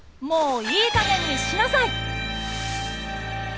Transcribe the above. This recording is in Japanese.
もういいかげんにしなさい！」。